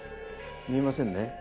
見えませんね？